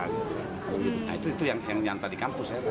nah itu yang nyantai di kampus ya